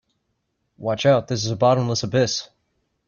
Watch out, this is a bottomless abyss!